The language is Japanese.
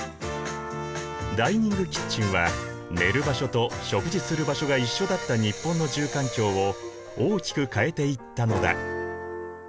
ダイニングキッチンは寝る場所と食事する場所が一緒だった日本の住環境を大きく変えていったのだ。